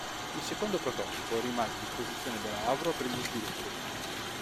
Il secondo prototipo rimase a disposizione della Avro per gli sviluppi.